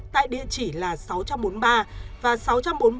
tại địa chỉ là sáu trăm bốn mươi ba và sáu trăm bốn mươi ba